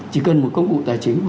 chỉ cần một công cụ tài chính